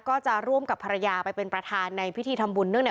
ก็จะร่วมกับภรรยาไปเป็นประธานในพิธีทำบุญเนื่องใน